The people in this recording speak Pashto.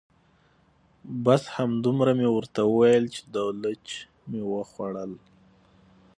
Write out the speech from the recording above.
بس همدومره مې ورته وویل چې دولچ مو وخوړل.